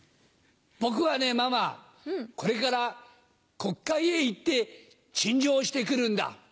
僕はねママこれから国会へ行って陳情して来るんだ。